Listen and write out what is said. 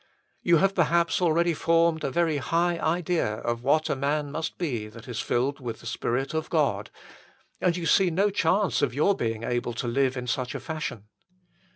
You have perhaps already formed a very high idea of what a man must be that is filled with the Spirit of God, and you see no chance of your being able to live in such a fashion.